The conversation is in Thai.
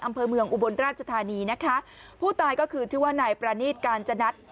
อำเภอเมืองอุบลราชธานีนะคะผู้ตายก็คือชื่อว่านายประณีตกาญจนัด